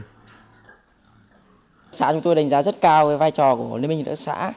hợp tác xã chúng tôi đánh giá rất cao với vai trò của liên minh hợp tác xã